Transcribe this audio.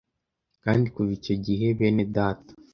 Kandi kuva icyo gihe, benedata